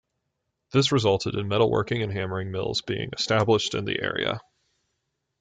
This resulted in metalworking and hammering mills being established in the area.